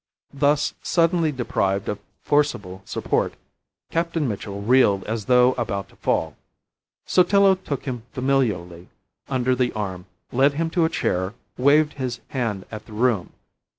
Thus suddenly deprived of forcible support, Captain Mitchell reeled as though about to fall. Sotillo took him familiarly under the arm, led him to a chair, waved his hand at the room.